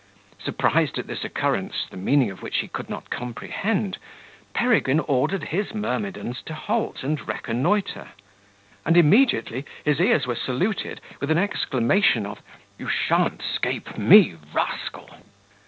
Surprised at this occurrence, the meaning of which he could not comprehend, Peregrine ordered his myrmidons to halt and reconnoitre; and immediately his ears were saluted with an exclamation of "You shan't 'scape me, rascal."